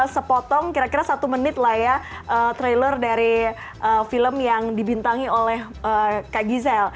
sepotong kira kira satu menit lah ya trailer dari film yang dibintangi oleh kak gisel